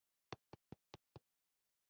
ځکه چې ملا دی له ملا څخه څه مه غواړه.